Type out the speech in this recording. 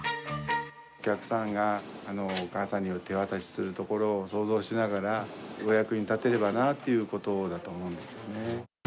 お客さんが、お母さんに手渡しするところを想像しながら、お役に立てればなということだと思うんですよね。